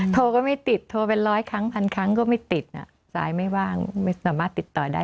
โทรก็ไม่ติดโทรเป็นร้อยครั้งพันครั้งก็ไม่ติดสายไม่ว่างไม่สามารถติดต่อได้